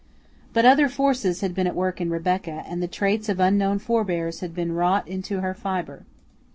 But other forces had been at work in Rebecca, and the traits of unknown forbears had been wrought into her fibre.